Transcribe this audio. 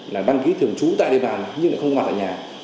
là đăng ký thường trung tại địa bàn nhưng lại không có mặt ở nhà